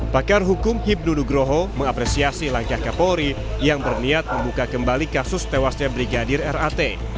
pakar hukum hibdudugroho mengapresiasi langkah kepolri yang berniat membuka kembali kasus tewasnya brigadir r a t